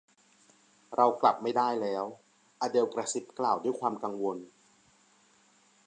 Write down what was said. เรากลับไม่ได้แล้ว อเดลกระซิบกล่าวด้วยความกังวล